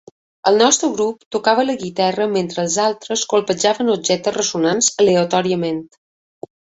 El nostre grup tocava la guitarra mentre els altres colpejaven objectes ressonants aleatòriament.